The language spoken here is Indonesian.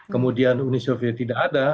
kemudian uni soviet tidak ada